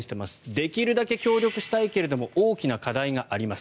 できるだけ協力したいけれども大きな課題があります。